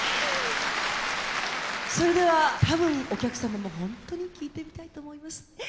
それでは多分お客様もほんとに聴いてみたいと思います。